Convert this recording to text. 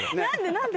何で？